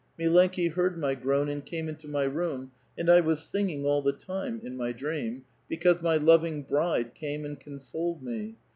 Milenki heard my groan and came into my room, and I was singing all the time (in my dream) because my loving ' bride ' came and consoled me.